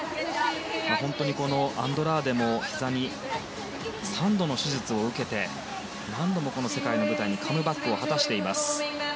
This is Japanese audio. アンドラーデもひざに３度の手術を受けて何度も世界の舞台にカムバックを果たしています。